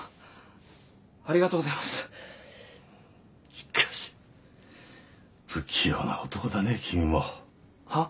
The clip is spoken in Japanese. しかし不器用な男だね君も。はっ？